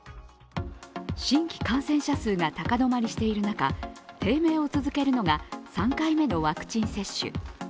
新規感染者数が高止まりしている中、低迷を続けるのが３回目のワクチン接種。